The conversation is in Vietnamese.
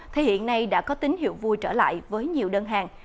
thế hiện nay đã có tín hiệu vui trở lại với nhiều đơn hàng